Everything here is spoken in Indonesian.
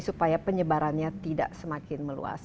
supaya penyebarannya tidak semakin meluas